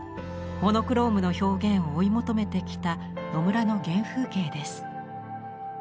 モノクロームの表現を追い求めてきた野村の原風景です。